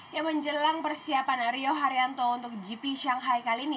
yang menjelang persiapan rio haryanto untuk gp shanghai kali ini